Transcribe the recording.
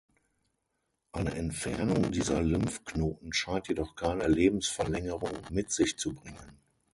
Eine Entfernung dieser Lymphknoten scheint jedoch keine Lebensverlängerung mit sich zu bringen.